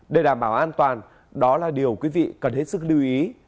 để đảm bảo an toàn đó là điều quý vị cần hết sức lưu ý